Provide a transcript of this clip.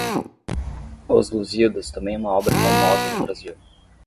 Os Lusíadas também é uma obra famosa no Brasil